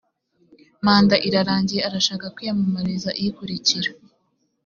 manda irarangiye ashaka kwiyamamariza ikurikira